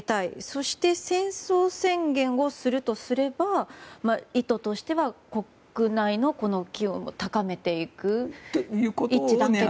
そして、戦争宣言をするとすれば意図としては国内の機運を高めていく、一致団結。